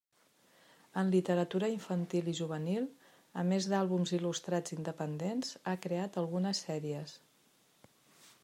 En literatura infantil i juvenil, a més d’àlbums il·lustrats independents, ha creat algunes sèries.